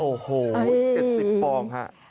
โอ้โห๗๐ฟองฮะ